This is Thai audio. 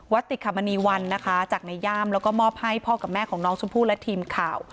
ติขมณีวันนะคะจากในย่ามแล้วก็มอบให้พ่อกับแม่ของน้องชมพู่และทีมข่าว